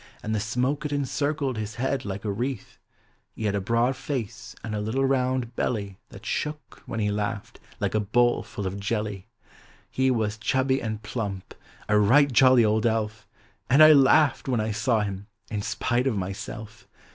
Aud the smoke it encircled his head like a wreath, lie had a broad face aud a little rouud belly That shook, when he laughed, like a bowl full of jelly. He was chubby aud plump, — a right jolly old elf; And I laughed, when 1 saw him. in spite of myself.